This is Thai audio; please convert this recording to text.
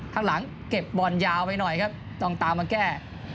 ข้างหลังเก็บบอลยาวไปหน่อยครับต้องตามมาแก้